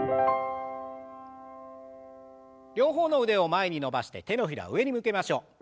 両方の腕を前に伸ばして手のひらを上に向けましょう。